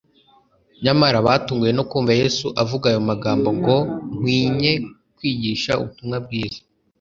Nyamara batunguwe no kumva Yesu avuga aya magambo ngo "Nkwinye kwigisha ubutumwa bwiza